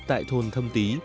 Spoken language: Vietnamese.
tại thôn thâm tý